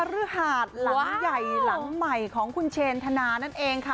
คฤหาสหลังใหม่ของคุณเชนธนานั่นเองค่ะ